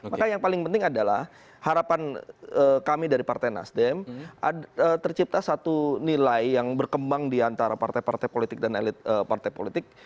maka yang paling penting adalah harapan kami dari partai nasdem tercipta satu nilai yang berkembang diantara partai partai politik dan elit partai politik